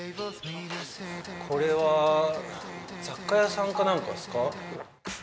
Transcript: これは、雑貨屋さんか何かですか。